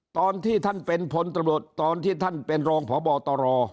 ตอนที่ท่านเป็นพตตอนที่ท่านเป็นรพต